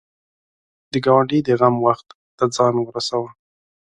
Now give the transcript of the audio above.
د ګاونډي د غم وخت ته ځان ورسوه